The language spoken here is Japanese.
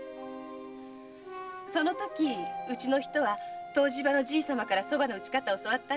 そのときうちの人は湯治場のじい様から蕎麦の打ち方を教わったんですよ。